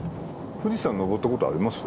富士山登ったことあります？